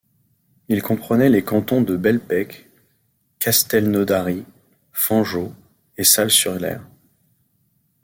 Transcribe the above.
Il comprenait les cantons de Belpech, Castelnaudary, Fanjeaux et Salles-sur-l'Hers.